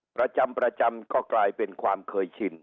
ประจำประจำก็กลายเป็นความเคยชิน